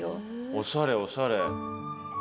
おしゃれおしゃれ。